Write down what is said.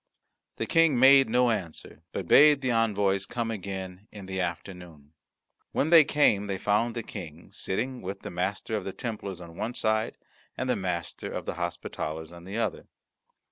The King made no answer, but bade the envoys come again in the afternoon. When they came they found the King sitting with the Master of the Templars on one side and the Master of the Hospitallers on the other.